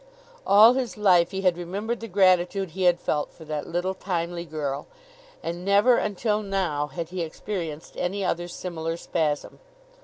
All his life he had remembered the gratitude he had felt for that little timely girl, and never until now had he experienced any other similar spasm.